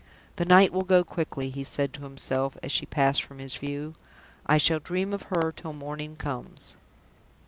"The night will go quickly," he said to himself, as she passed from his view; "I shall dream of her till the morning comes!"